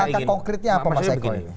apa langkah konkretnya pak mas eko